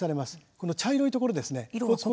この茶色いところです。